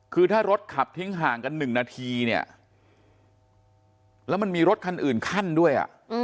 คือถ้ารถขับทิ้งห่างกัน๑นาทีเนี่ยแล้วมันมีรถคันอื่นขั้นด้วย